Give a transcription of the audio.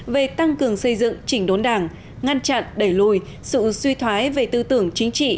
về tăng cường xây dựng chỉnh đốn đảng ngăn chặn đẩy lùi sự suy thoái về tư tưởng chính trị